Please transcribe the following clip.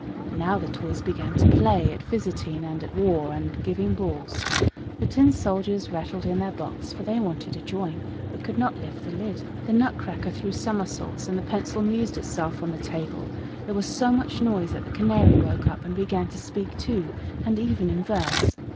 Now the toys began to play at "visiting," and at "war," and "giving balls." The tin soldiers rattled in their box, for they wanted to join, but could not lift the lid. The nutcracker threw somersaults, and the pencil amused itself on the table: there was so much noise that the canary woke up, and began to speak too, and even in verse.